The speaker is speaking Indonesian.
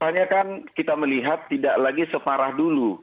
hanya kan kita melihat tidak lagi separah dulu